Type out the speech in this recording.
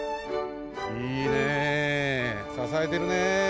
いいねささえてるね。